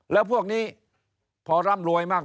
แล้วพวกนี้พอร่ำรวยมาก